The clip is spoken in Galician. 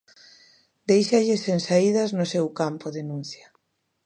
Déixalle sen saídas no seu campo, denuncia.